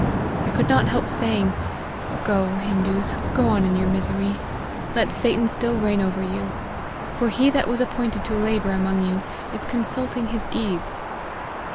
I could not help saying, Go, Hindoos, go on in your misery, let Satan still reign over you ; for he that was appointed to labour among you, is consulting his ease.